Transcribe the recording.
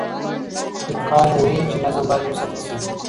دورکهايم ويلي چي نظم بايد وساتل سي.